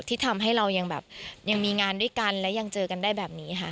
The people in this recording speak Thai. ที่ทำให้เรายังแบบยังมีงานด้วยกันและยังเจอกันได้แบบนี้ค่ะ